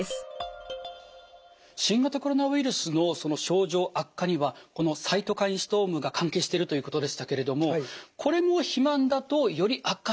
新型コロナウイルスの症状悪化にはこのサイトカインストームが関係しているということでしたけれどもこれも肥満だとより悪化しやすいということになるんでしょうか？